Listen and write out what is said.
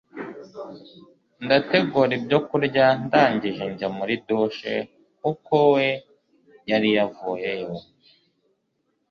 ndategura ibyo kurya ndangije njya muri douche kuko we yari yavuyeyo